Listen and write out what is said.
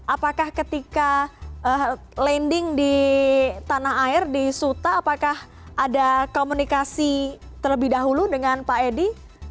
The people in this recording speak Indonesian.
apakah ketika landing di tanah air di suta apakah ada komunikasi terlebih dahulu dengan pak edi